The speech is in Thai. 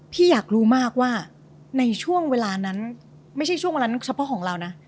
พี่อยากรู้มากว่าในช่วงเวลานั้นไม่ใช่ช่วงเวลาเฉพาะของเรานะ